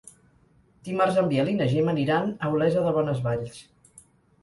Dimarts en Biel i na Gemma aniran a Olesa de Bonesvalls.